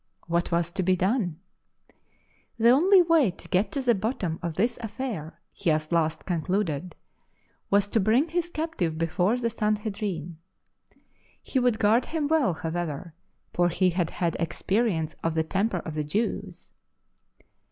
What was to be done ? The only way to get to the bottom of this affair, he at last concluded, was to bring his captive before the Sanhedrin. He would guard him well, how'ever, for he had had experience of the temper of the Jew's.